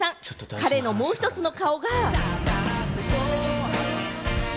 彼のもう１つの顔が。